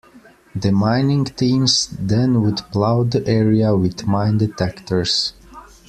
Demining teams then would plow the area with mine detectors.